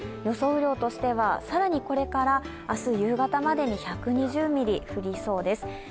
雨量としては、更にこれから明日夕方までに１２０ミリ降りそうです。